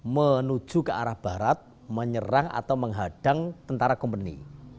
menuju ke arah barat menyerang atau menghadang tentara komponen